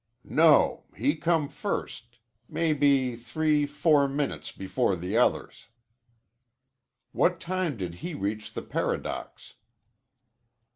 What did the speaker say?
"No, he come first. Maybe three four minutes before the others." "What time did he reach the Paradox?"